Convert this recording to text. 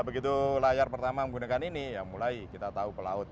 begitu layar pertama menggunakan ini ya mulai kita tahu pelaut